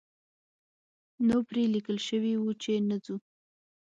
نو پرې لیکل شوي وو چې نه ځو.